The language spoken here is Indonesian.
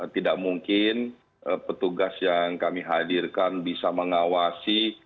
tidak mungkin petugas yang kami hadirkan bisa mengawasi